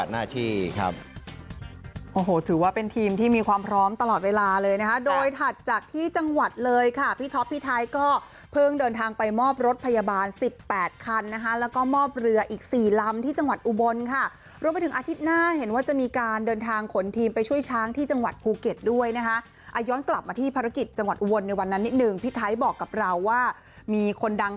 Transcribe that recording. หน้าที่ครับโอ้โหถือว่าเป็นทีมที่มีความพร้อมตลอดเวลาเลยนะคะโดยถัดจากที่จังหวัดเลยค่ะพี่ท็อปพี่ไทยก็เพิ่งเดินทางไปมอบรถพยาบาลสิบแปดคันนะคะแล้วก็มอบเรืออีก๔ลำที่จังหวัดอุบลค่ะรวมไปถึงอาทิตย์หน้าเห็นว่าจะมีการเดินทางขนทีมไปช่วยช้างที่จังหวัดภูเก็ตด้วยนะคะย้อนกลับมาที่ภารกิจจังหวัดอุบลในวันนั้นนิดนึงพี่ไทยบอกกับเราว่ามีคนดัง